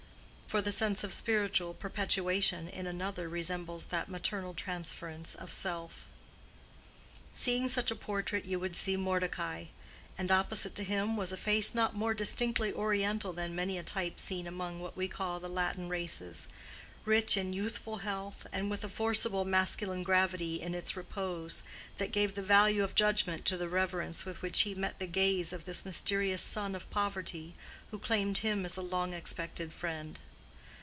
—for the sense of spiritual perpetuation in another resembles that maternal transference of self. Seeing such a portrait you would see Mordecai. And opposite to him was a face not more distinctively oriental than many a type seen among what we call the Latin races; rich in youthful health, and with a forcible masculine gravity in its repose, that gave the value of judgment to the reverence with which he met the gaze of this mysterious son of poverty who claimed him as a long expected friend.